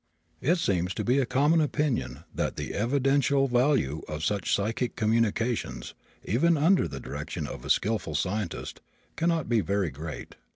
It seems to be a common opinion that the evidential value of such psychic communications, even under the direction of a skilful scientist, cannot be very great.